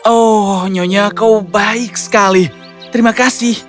oh nyonya kau baik sekali terima kasih